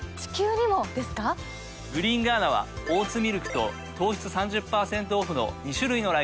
グリーンガーナはオーツミルクと糖質３０％オフの２種類のラインナップ。